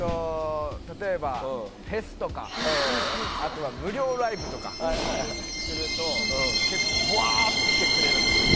例えば、フェスとか無料ライブとかすると結構ぶわーっと来てくれるんですよ。